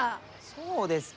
そうですき！